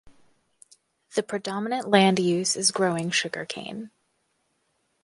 The predominant land use is growing sugarcane.